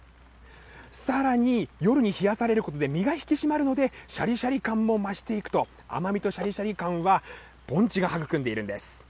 さらに、夜に冷やされることで実が引き締まるので、しゃりしゃり感も増していくと、甘みとしゃりしゃり感は、盆地が育んでいるんです。